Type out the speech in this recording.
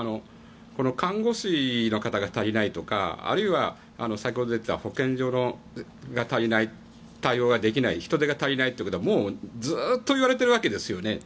看護師の方が足りないとかあるいは先ほど言っていた保健所が足りない対応ができない人手が足りないというのはずっと言われているわけですよね。